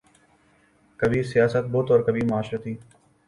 کبھی سیاسی بت اور کبھی معاشرتی